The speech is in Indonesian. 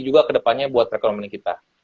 juga kedepannya buat ekonomi kita